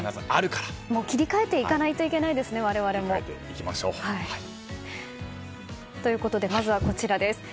切り替えていかないといけないですね、我々も。ということで、まずはこちらです。